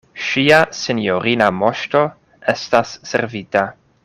Ŝia sinjorina Moŝto estas servita!